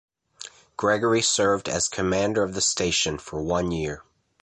Gregory served as commander of the Station for one year.